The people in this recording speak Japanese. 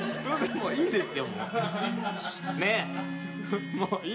もういいですって。